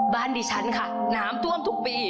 ดิฉันค่ะน้ำท่วมทุกปี